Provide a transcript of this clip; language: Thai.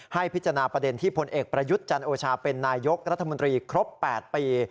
ให้พิจารณาประเด็นที่พลเอกประยุทธ์จันโอชาเป็นนายกรัฐมนตรีครบ๘ปี